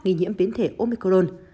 ghi nhiễm biến thể omicron